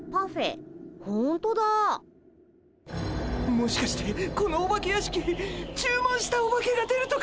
もしかしてこのお化け屋敷注文したオバケが出るとか？